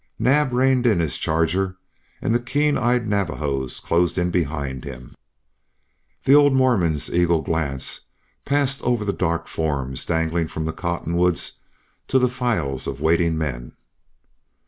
Naab reined in his charger and the keen eyed Navajos closed in behind him. The old Mormon's eagle glance passed over the dark forms dangling from the cottonwoods to the files of waiting men.